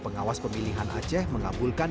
pengawas pemilihan aceh mengabulkan